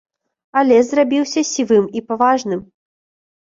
А лес зрабіўся сівым і паважным.